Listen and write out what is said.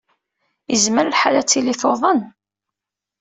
Yezmer lḥal ad tili tuḍen.